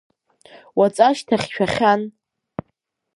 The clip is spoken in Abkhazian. Уаҵәашьҭахь шәахьан.